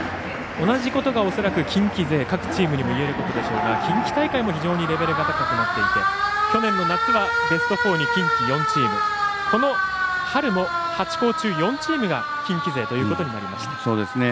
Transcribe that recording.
同じことが近畿勢各チームに言えることでしょうが近畿大会も非常にレベルが高くなっていて、去年の夏はベスト４に近畿４チームこの春も８校中４チームが近畿勢ということになりました。